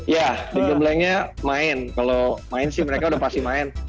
ya digemblengnya main kalau main sih mereka udah pasti main